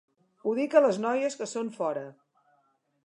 Ho dic a les noies que són fora.